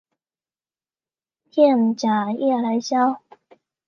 滇假夜来香